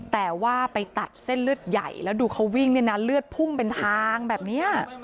แต่ว่าไปตัดเส้นเลือดใหญ่แล้วดูเขาวิ่งเนี่ยนะเลือดพุ่งเป็นทางแบบนี้